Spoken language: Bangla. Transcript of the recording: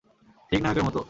ঠিক নায়কের মতো।